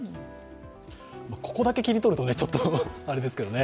ここだけ切り取ると、ちょっとあれですけどね。